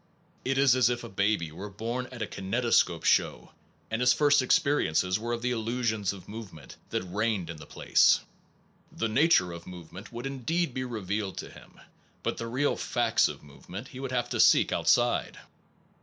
It is as if a baby were born at a kinetoscope show and his first experi ences were of the illusions of movement that reigned in the place. The nature of movement would indeed be revealed to him, but the real facts of movement he would have to seek out side.